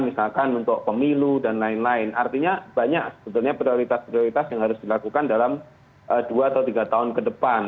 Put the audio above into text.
misalkan untuk pemilu dan lain lain artinya banyak sebetulnya prioritas prioritas yang harus dilakukan dalam dua atau tiga tahun ke depan